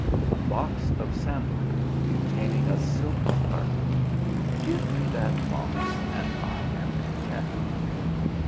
A box of sandal wood contain ing a silken carpet. Give me that box, and I am content."